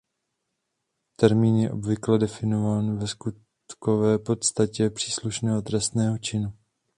Termín je obvykle definován ve skutkové podstatě příslušného trestného činu.